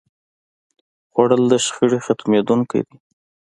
خوړل د شخړې ختموونکی دی